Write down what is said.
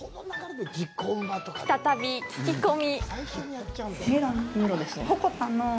再び聞き込み。